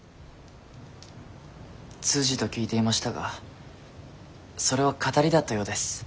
通詞と聞いていましたがそれは騙りだったようです。